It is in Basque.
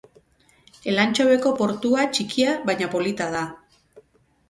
Elantxobeko portua txikia baina polita da.